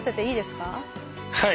はい。